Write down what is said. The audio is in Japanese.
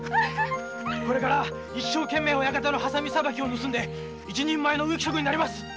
これから一生懸命親方のハサミさばきを盗んで一人前の植木職になります！